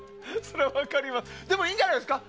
でも、いいんじゃないですか。